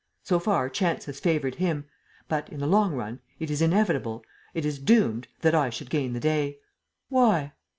So far, chance has favored him. But, in the long run, it is inevitable, it is doomed that I should gain the day." "Why?"